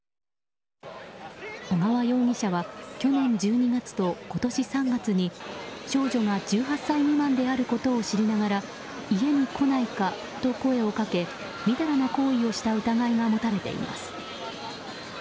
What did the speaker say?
小川容疑者は去年１２月と今年３月に少女が１８歳未満であることを知りながら家に来ないかと声をかけみだらな行為をした疑いが持たれています。